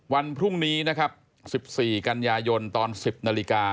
วันพรุ่งนี้นะครับ๑๔กรรยายนตอน๑๐น